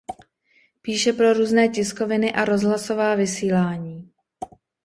Píše pro různé tiskoviny a rozhlasová vysílání.